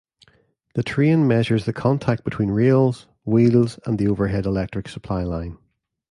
The train measures the contact between rails, wheels and the overhead electric supply line.